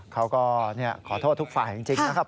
เขาก็ขอโทษทุกฝ่ายจริงนะครับ